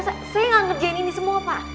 saya nggak ngerjain ini semua pak